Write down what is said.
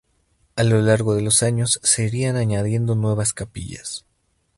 A lo largo de los años se irían añadiendo nuevas capillas.